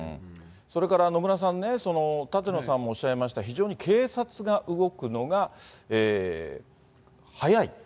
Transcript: それから野村さんね、舘野さんもおっしゃいました、非常に警察が動くのが早い。